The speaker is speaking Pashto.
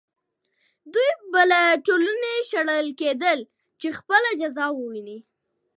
دوی به له ټولنې شړل کېدل چې خپله جزا وویني.